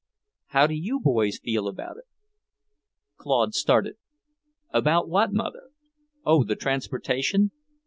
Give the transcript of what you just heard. "How do you boys feel about it?" Claude started. "About what, Mother? Oh, the transportation!